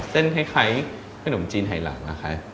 เส้นเหมือนขนมจีนไถ่หลัง